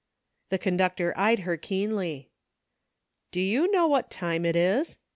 The conductor eyed her keenly. " Do you know what time it is ?